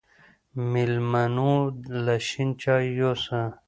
مېلمنو له شين چای يوسه